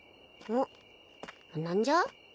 おっ何じゃ？